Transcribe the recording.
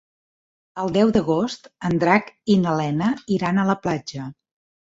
El deu d'agost en Drac i na Lena iran a la platja.